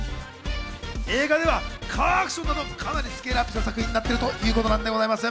映画ではカーアクションなど、かなりスケールアップした作品になっているということです。